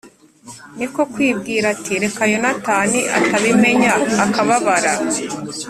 ni ko kwibwira ati ‘Reka Yonatani atabimenya akababara.